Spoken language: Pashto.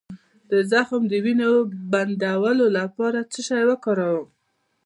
د زخم د وینې بندولو لپاره څه شی وکاروم؟